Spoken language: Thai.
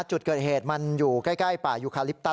จุดเกิดเหตุมันอยู่ใกล้ป่ายุคาลิปตัส